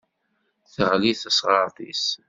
Teɣli tesɣaṛt-is.